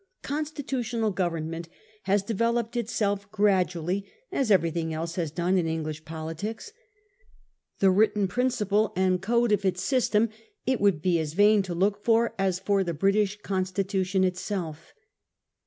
Constitu tional gover nm ent has developed itself gradually, as everything else has done in English politics. The written principle and code of its system it would be as vain to look for as for the British Constitution itself.